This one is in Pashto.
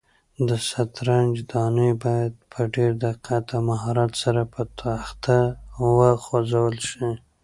د شطرنج دانې باید په ډېر دقت او مهارت سره په تخته وخوځول شي.